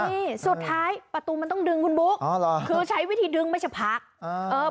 นี่สุดท้ายประตูมันต้องดึงคุณบุ๊คอ๋อเหรอคือใช้วิธีดึงไม่ใช่พักเออเออ